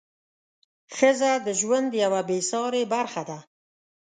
ښځه د ژوند یوه بې سارې برخه ده.